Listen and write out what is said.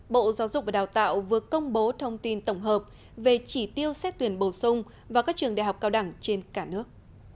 bộ giáo dục và đào tạo vừa công bố thông tin tổng hợp về chỉ tiêu xét tuyển bổ sung vào các trường đại học cao đẳng trên cả nước